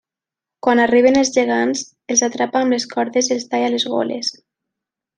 Quan arriben els gegants, els atrapa amb les cordes i els talla les goles.